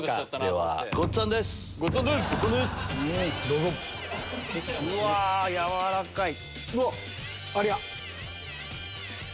はい。